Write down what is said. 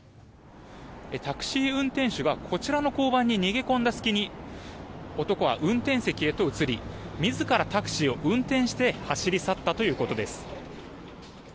タクシー運転手はこちらの交番に逃げ込んだ隙に男は運転席へと移り自らタクシーを運転して走り去ったということです。